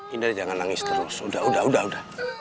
indah jangan nangis terus udah udah udah